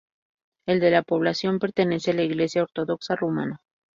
El de la población pertenece a la Iglesia ortodoxa rumana.